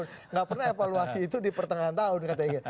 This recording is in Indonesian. tidak pernah evaluasi itu di pertengahan tahun